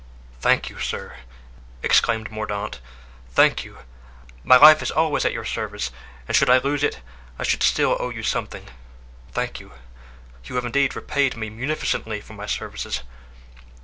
"Thank you, sir!" exclaimed Mordaunt, "thank you; my life is always at your service, and should I lose it I should still owe you something; thank you; you have indeed repaid me munificently for my services."